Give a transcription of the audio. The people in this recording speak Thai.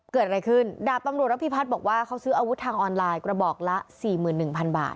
เกิดอะไรขึ้นดาบตำรวจระพิพัฒน์บอกว่าเขาซื้ออาวุธทางออนไลน์กระบอกละ๔๑๐๐บาท